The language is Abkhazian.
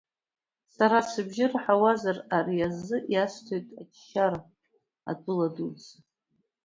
Сара сыбжьы раҳауазар, ари азы иасҭоит аџьшьара атәыла дуӡӡа…